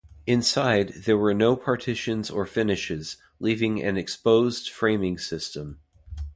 Inside, there were no partitions or finishes, leaving an exposed framing system.